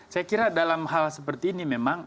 saya kira dalam hal seperti ini memang